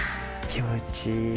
気持ちいい。